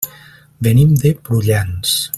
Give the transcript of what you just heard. Venim de Prullans.